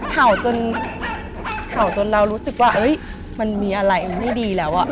เห่าจนเรารู้สึกว่ามันมีอะไรมันไม่ดีแล้วอ่ะ